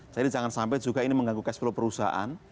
jadi jangan sampai ini mengganggu cash flow perusahaan